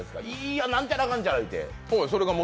いぃや、なんちゃらかんちゃら言うて。